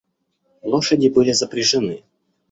Лошади были запряжены.